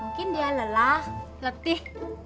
mungkin dia lelah letih